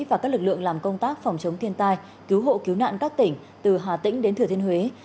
và các lực lượng làm công tác phòng chống thiên tai cứu hộ cứu nạn các tỉnh từ hà tĩnh đến thừa thiên huế